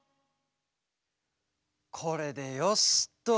これでよしっと。